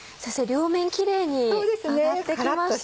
両面キレイに揚がってきましたね。